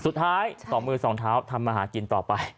สุดท้ายสองมือสองเท้าทำมหากินต่อไป